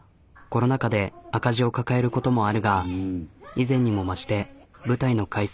コロナ禍で赤字を抱えることもあるが以前にも増して舞台の回数を増やしている。